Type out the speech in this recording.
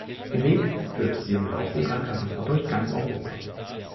Ihr Weg führte sie im Laufe ihrer Karriere durch ganz Europa.